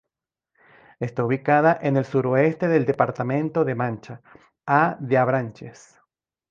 Está ubicada en el suroeste del departamento de Mancha, a de Avranches.